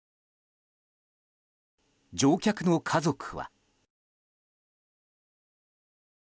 乗客の家族は。